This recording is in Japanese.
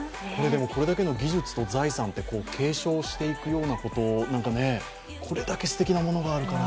これだけの技術と財産を継承していくようなことこれだけすてきなものがあるから。